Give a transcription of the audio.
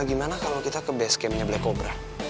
gimana kalo kita ke base camnya black cobra